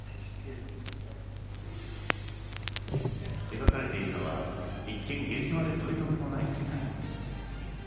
描かれているのは一見下世話で取りとめもない世界。